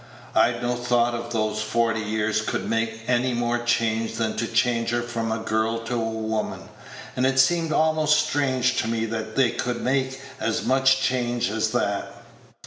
I'd no thought that those forty years could make any more change than to change her from a girl to a woman, and it seemed almost strange to me that they could make as much change as that.